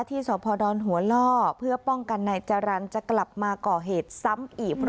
ที่สพดหัวล่อเพื่อป้องกันนายจรรย์จะกลับมาก่อเหตุซ้ำอีก